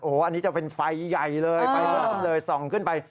โอ้โหอันนี้จะเป็นไฟใหญ่เลยส่องขึ้นไป